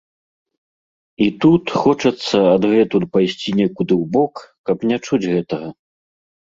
І тут хочацца адгэтуль пайсці некуды ў бок, каб не чуць гэтага.